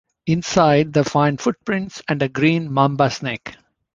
Inside they find footprints and a green mamba snake.